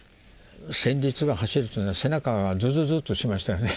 戦慄が走るというか背中がズズズッとしましたよね。